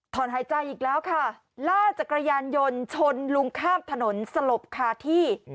หายใจอีกแล้วค่ะล่าจักรยานยนต์ชนลุงข้ามถนนสลบคาที่